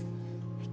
はい。